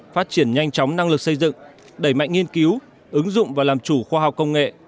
phát triển nhanh chóng năng lực xây dựng đẩy mạnh nghiên cứu ứng dụng và làm chủ khoa học công nghệ